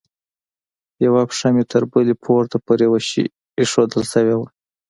يوه پښه مې تر بلې پورته پر يوه شي ايښوول سوې وه.